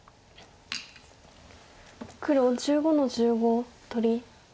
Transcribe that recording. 黒１５の十五取り。